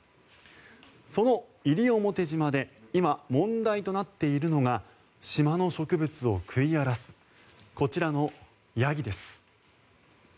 その西表島で今、問題となっているのが島の植物を食い荒らすこちらのヤギです。